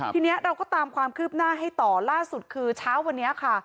ทีนี้เราก็ตามความคืบหน้าให้ต่อล่าสุดคือเช้าวันนี้ค่ะ